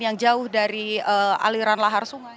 yang jauh dari aliran lahar sungai